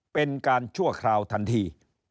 เป็นการชั่วคราวทันที